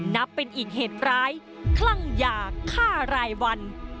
นับเป็นอีกเหตุร้ายคลั่งยาฆ่ารายวัน